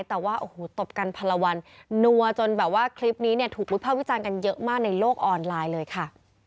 แต่ว่าโอ้โหตบกันพันละวันนัวจนแบบว่าคลิปนี้เนี่ยถูกวิภาควิจารณ์กันเยอะมากในโลกออนไลน์เลยค่ะ